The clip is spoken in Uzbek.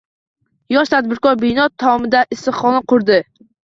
Yosh tadbirkor bino tomida issiqxona qurdi